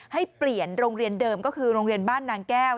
ให้เปลี่ยนโรงเรียนเดิมก็คือโรงเรียนบ้านนางแก้ว